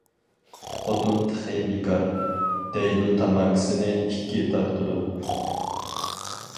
خوتۇن تېخى بىكار، دەيدۇ تاماكىسىنى ئىككى تارتىدۇ.